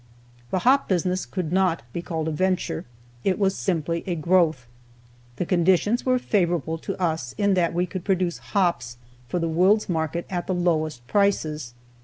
The hop business could not be called a venture; it was simply a growth. The conditions were favorable to us in that we could produce hops for the world's market at the lowest prices.